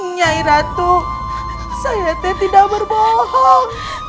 nyai ratu saya tidak berbohong